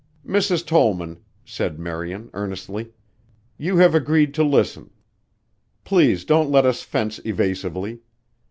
"Mrs. Tollman," said Marian earnestly, "you have agreed to listen. Please don't let us fence evasively.